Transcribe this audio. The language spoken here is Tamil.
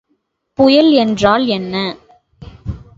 புயல் என்றால் என்ன?